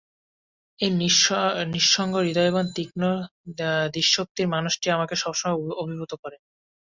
এই নিঃসঙ্গ, হৃদয়বান, তীহ্ম ধীশক্তির মানুষটি আমাকে সবসময় অভিভূত করেন।